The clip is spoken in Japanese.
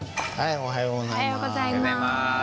おはようございます。